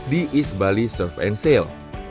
di east bali surf and sale